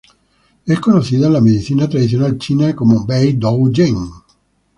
Es conocida en la medicina tradicional china como Bei-Dou-Gen.